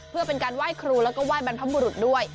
เพื่อเป็นการไหว้ครูแล้วก็ไห้บรรพบุรุษด้วย